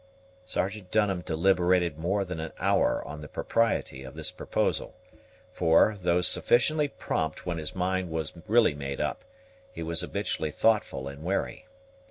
Sergeant Dunham deliberated more than an hour on the propriety of this proposal; for, though sufficiently prompt when his mind was really made up, he was habitually thoughtful and wary.